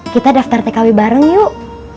kita daftar tkw bareng yuk